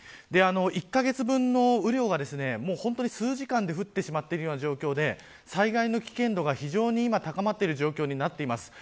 １カ月分の雨量が数時間で降っているような状況で災害の危険度が非常に今高まっている状況になっています。